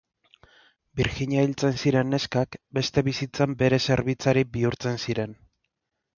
Birjina hiltzen ziren neskak, beste bizitzan bere zerbitzari bihurtzen ziren.